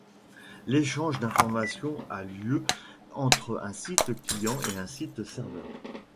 L’échange d’information a lieu entre un site client et un site serveur.